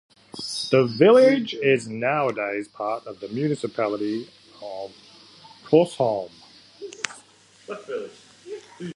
The village is nowadays part of the municipality of Korsholm.